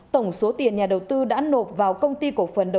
tổng số tiền nhà đầu tư đã nộp vào công ty cổ phần đầu